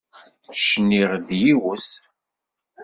Cniɣ-d yiwet.